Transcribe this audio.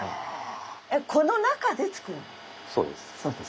そうです。